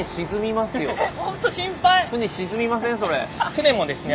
船もですね